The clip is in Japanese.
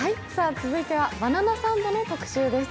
続いては「バナナサンド」の特集です。